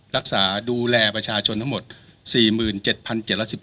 รักษาดูแลประชาชนทั้งหมดสี่หมื่นเจ็ดพันเจ็ดร้อยสิบ